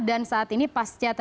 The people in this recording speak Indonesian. dan saat ini pasca tadi diberikan